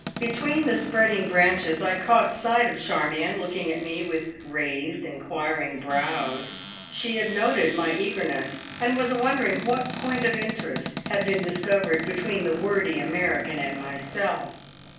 Between the spreading branches I caught sight of Charmion looking at me with raised, inquiring brows. She had noted my eagerness, and was wondering what point of interest had been discovered between the wordy American and myself.